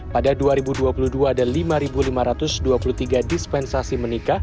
pada dua ribu dua puluh dua ada lima lima ratus dua puluh tiga dispensasi menikah